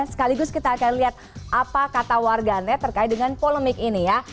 sekaligus kita akan lihat apa kata warganet terkait dengan polemik ini ya